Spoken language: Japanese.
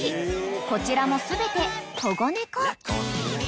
こちらも全て保護猫］